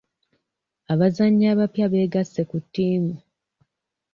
abazannyi abapya beegasse ku ttiimu.